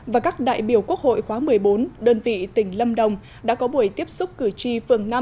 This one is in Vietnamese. và các đại biểu quốc hội khóa một mươi bốn đơn vị tỉnh lâm đồng đã có buổi tiếp xúc cử tri phường năm